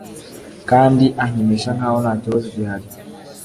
kandi ankinisha nkaho ntakibazo gihari.